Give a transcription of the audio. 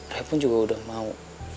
saya pun juga udah mau